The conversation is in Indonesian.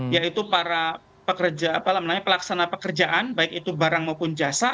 yaitu para pekerja pelaksana pekerjaan baik itu barang maupun jasa